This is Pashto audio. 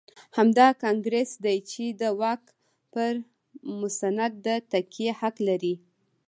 همدا کانګرېس دی چې د واک پر مسند د تکیې حق لري.